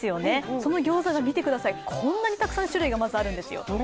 そのギョーザが見てください、こんなにたくさん種類があるんです。